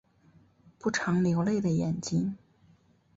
不常流泪的眼睛